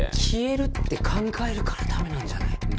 消えるって考えるからダメなんじゃない？